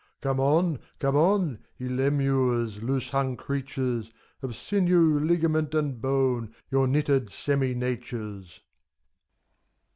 Come on, come on! Ye Lemures, loose hung creatures! Of sinew, ligament, and bone Your knitted semi natures!